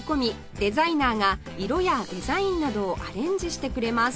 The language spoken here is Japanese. デザイナーが色やデザインなどをアレンジしてくれます